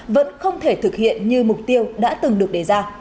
vẫn không thể thực hiện như mục tiêu đã từng được đề ra